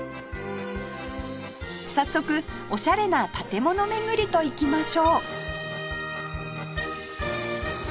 早速おしゃれな建物巡りといきましょう